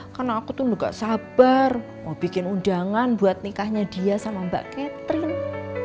karena aku tuh gak sabar mau bikin undangan buat nikahnya dia sama mbak catherine